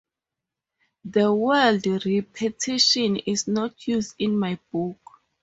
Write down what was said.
The word repetition is not used in my book.